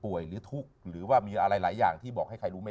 หรือทุกข์หรือว่ามีอะไรหลายอย่างที่บอกให้ใครรู้ไหม